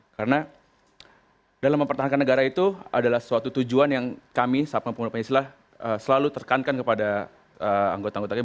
karena dalam mempertahankan negara itu adalah suatu tujuan yang kami sabkang pemuda pancasila selalu terkankan kepada anggota anggota kita